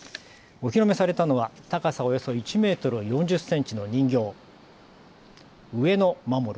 お披露目されたのは高さおよそ１メートル４０センチの人形、うえのまもる